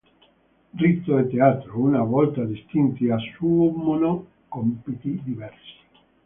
Rito e teatro, una volta distinti, assumono compiti diversi.